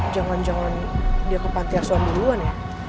jangan jangan dia ke panti asuhan duluan ya